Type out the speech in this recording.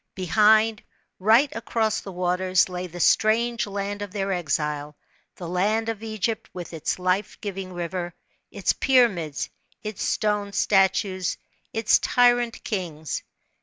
Behind right across the waters lay the strange land of their exile, the land of Egypt with its life giving river, its pyramids, its stone statues, its tyrant kings.